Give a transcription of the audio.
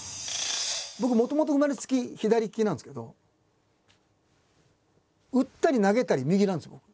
僕もともと生まれつき左利きなんですけど打ったり投げたり右なんですよ